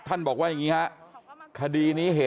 กลับไปลองกลับ